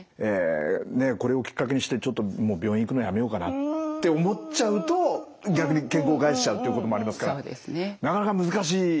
これをきっかけにしてちょっと病院行くのやめようかなって思っちゃうと逆に健康を害しちゃうってこともありますからなかなか難しい。